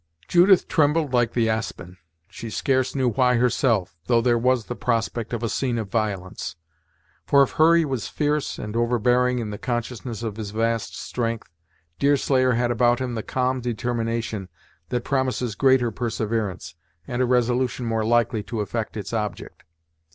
Judith trembled like the aspen, she scarce knew why herself, though there was the prospect of a scene of violence; for if Hurry was fierce and overbearing in the consciousness of his vast strength, Deerslayer had about him the calm determination that promises greater perseverance, and a resolution more likely to effect its object.